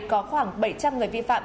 có khoảng bảy trăm linh người vi phạm